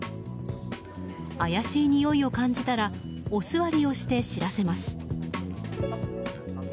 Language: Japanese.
怪しいにおいを感じたらおすわりをして、知らせます。